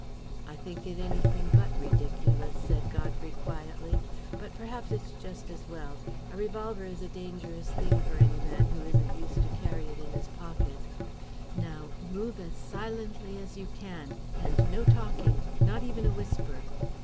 "I think it anything but ridiculous," said Godfrey quietly. "But perhaps it's just as well. A revolver is a dangerous thing for any man who isn't used to it to carry in his pocket. Now, move as silently as you can, and no talking not even a whisper."